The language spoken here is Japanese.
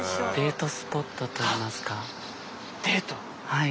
はい。